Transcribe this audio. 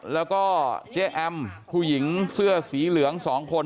แล้วก็เจ๊แอมผู้หญิงเสื้อสีเหลือง๒คน